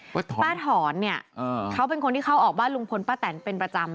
ป้าถอนป้าถอนเนี่ยเขาเป็นคนที่เข้าออกบ้านลุงพลป้าแตนเป็นประจำ